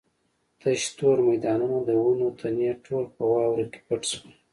تش تور میدانونه د ونو تنې ټول په واورو کې پټ شول.